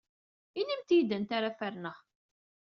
Inimt-iyi-d anta ara ferneɣ.